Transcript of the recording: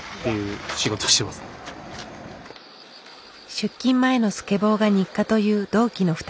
出勤前のスケボーが日課という同期の２人。